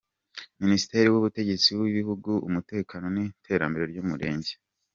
Ministre w’Ubutegetsi bw’igihugu, umutekano n’iterambere ry’umurenge.